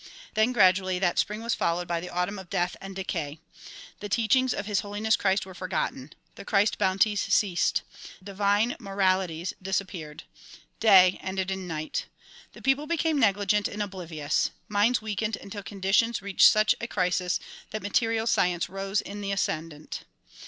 Then gradually that spring was followed by the autumn of death and decay. The teachings of His Holiness Christ were forgotten. The Christ bounties ceased. Divine moralities disappeared. Day ended in night. The people became negligent and oblivious. JMinds weakened until conditions reached such a crisis that material science rose in the ascendent.